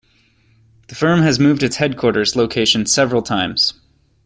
The firm has moved its headquarters location several times.